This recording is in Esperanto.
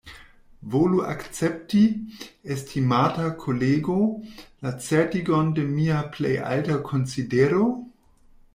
Volu akcepti, estimata kolego, la certigon de mia plej alta konsidero.